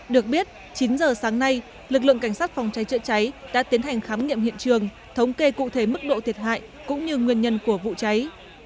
được biết chín giờ sáng nay lực lượng cảnh sát phòng cháy chữa cháy đã tiến hành khám nghiệm hiện trường thống kê cụ thể mức độ thiệt hại cũng như nguyên nhân của vụ cháy